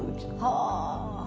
はあ。